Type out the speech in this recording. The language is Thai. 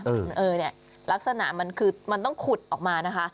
เออเนี่ยลักษณะมันคือมันต้องขุดออกมานะคะ